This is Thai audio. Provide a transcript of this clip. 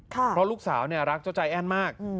เพราะลูกสาวรักเจ้าใจแอ้นมาก